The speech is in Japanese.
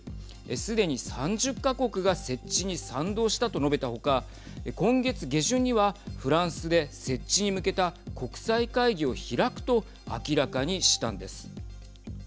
すでに３０か国が設置に賛同したと述べた他今月下旬にはフランスで設置に向けた国際会議を開くと明らかにしたんです。